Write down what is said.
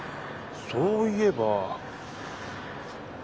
そういえば。